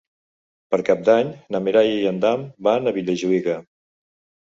Per Cap d'Any na Mireia i en Dan van a Vilajuïga.